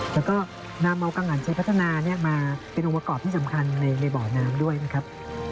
แล้วก็นำเอากังอันใช้พัฒนามาเป็นองค์ประกอบที่สำคัญในบ่อน้ำด้วยนะครับ